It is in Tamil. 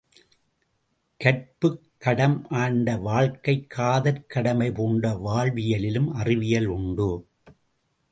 கற்புக்கடம் ஆண்ட வாழ்க்கை காதற் கடமை பூண்ட வாழ்வியலிலும் அறிவியல் உண்டு.